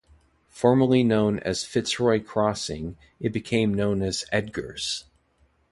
Formerly known as Fitzroy Crossing it became known as Edgar's.